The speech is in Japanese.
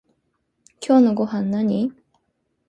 今日のごはんなに？